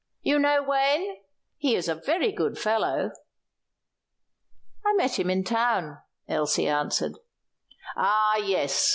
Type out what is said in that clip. You know Wayne? He is a very good fellow." "I met him in town," Elsie answered. "Ah, yes!